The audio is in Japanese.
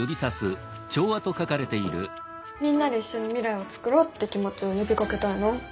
「みんなで一緒に未来をつくろう」って気持ちを呼びかけたいな。